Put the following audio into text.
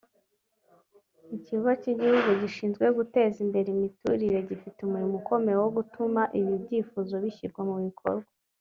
Ikigo cy’igihugu gishinzwe guteza imbere imiturire gifite umurimo ukomeye wo gutuma ibi byifuzo bishyirwa mu bikorwa